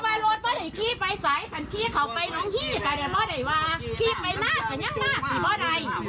ว่าไปดูปล่อยนะฮะเพราะเธออยากได้ไปเลยหลบยก